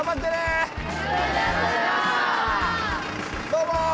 どうも！